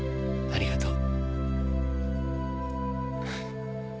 ありがとう。